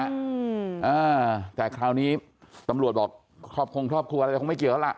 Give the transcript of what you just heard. อ่าแต่คราวนี้ตำรวจบอกครอบคงครอบครัวอะไรคงไม่เกี่ยวแล้วล่ะ